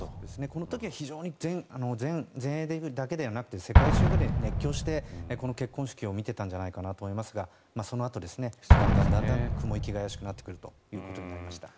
この時は全英だけではなく世界中が熱狂してこの結婚式を見ていたんじゃないかなと思いますがそのあと、だんだん雲行きが怪しくなってくるということになりました。